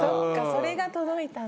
それが届いたんだ。